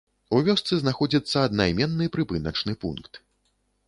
У вёсцы знаходзіцца аднайменны прыпыначны пункт.